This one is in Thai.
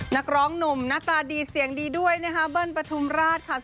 นักร้องหนุ่มหน้าตาดีเสียงดีด้วยนะคะเบิ้ลปฐุมราชค่ะ